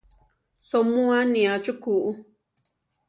Soʼmúa aniá chukú.